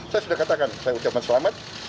saya sudah katakan saya ucapkan selamat